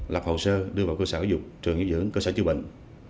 lập hồ sơ đưa vào cơ sở giáo dục trường giáo dưỡng cơ sở chứa bệnh